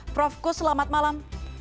prof kus selamat malam